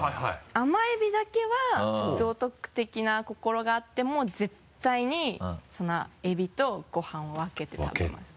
甘エビだけは道徳的な心があっても絶対にエビとご飯を分けて食べます。